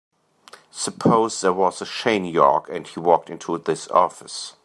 Suppose there was a Shane York and he walked into this office.